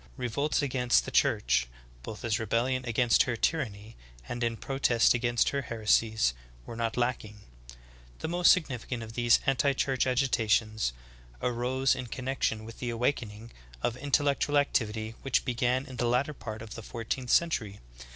Revolts against the Church, both as rebellion against her tyranny and in pro test against her heresies, were not lacking. The most sig nificant of these anti church agitations arose in connection with the awakening of intellectual activity which began in the latter part of the fourteenth century.